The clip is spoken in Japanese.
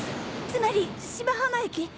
つまり芝浜駅。